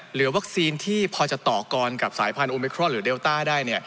เหลือวัคซีนที่พอจะต่อกรกับสายพันธุ์โอเมครอลหรือเดลต้าได้เนี่ย